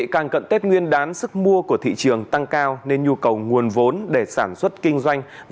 càng cận tết nguyên đán sức mua của thị trường tăng cao nên nhu cầu nguồn vốn để sản xuất kinh doanh